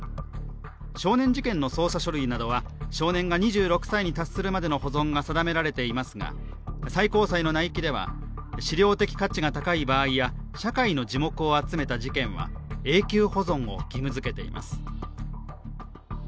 少年事件の捜査書類などは少年が２６歳に達するまでの保存が定められていますが、最高裁の内規では史料的価値が高い場合や、社会の耳目を集めた事件は永久保存を義務づけています。